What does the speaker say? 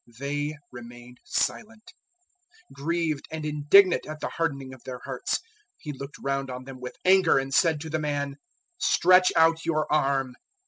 They remained silent. 003:005 Grieved and indignant at the hardening of their hearts, He looked round on them with anger, and said to the man, "Stretch out your arm."